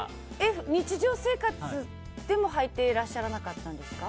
日常生活でも、はいてらっしゃらなかったんですか？